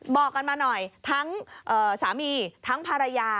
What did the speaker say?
บอกกันมาหน่อยทั้งสามีทั้งภรรยา